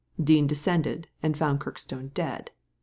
Dean descended and found Kirkstone dead.